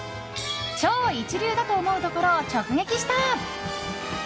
超一流だと思うところを直撃した。